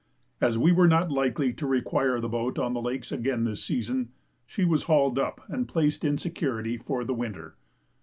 As we were not likely to require the boat on the lakes again this season, she was hauled up and placed in security for the winter.